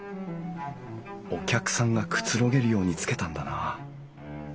お客さんがくつろげるようにつけたんだな。